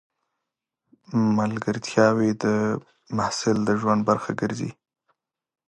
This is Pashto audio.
ملګرتیاوې د محصل د ژوند برخه ګرځي.